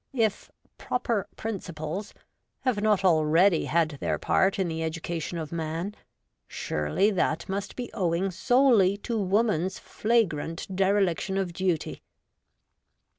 If ' proper principles ' have not already had their part in the education of man, surely that must be owing solely to woman's flagrant dereliction of duty.